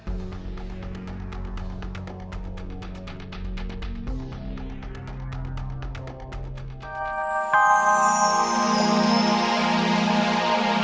mas akan penuhi keinginan kamu